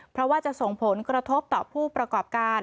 เพราะว่าจะส่งผลกระทบต่อผู้ประกอบการ